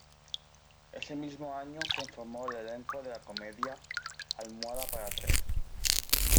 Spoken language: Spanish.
Ese mismo año conformó el elenco de la comedia "Almohada para tres".